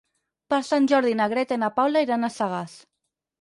Per Sant Jordi na Greta i na Paula iran a Sagàs.